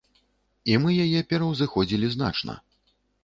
І мы яе пераўзыходзілі значна.